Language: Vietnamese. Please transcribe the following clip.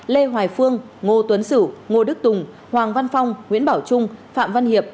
lê hoài phương ngô tuấn sử ngô đức tùng hoàng văn phong nguyễn bảo trung phạm văn hiệp